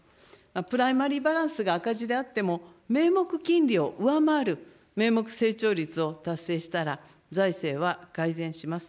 プライマリーバランスが赤字であっても、名目金利を上回る名目成長率を達成したら、財政は改善します。